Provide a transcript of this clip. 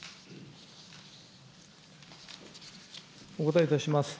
お答えいたします。